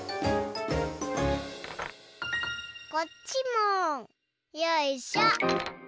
こっちもよいしょ。